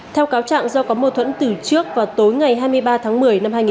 theo cáo trạng do có mâu thuẫn từ trước và tối ngày hai mươi ba tháng một mươi